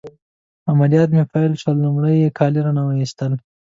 عملیات مې پیل شول، لمړی يې کالي رانه وایستل.